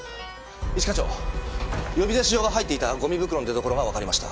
一課長呼び出し状が入っていたゴミ袋の出どころがわかりました。